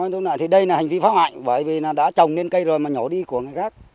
thì đây là hành vi phá hoại bởi vì đã trồng lên cây rồi mà nhỏ đi của người khác